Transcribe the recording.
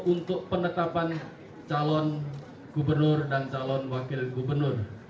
untuk penetapan calon gubernur dan calon wakil gubernur